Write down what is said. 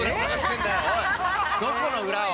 どこの裏を！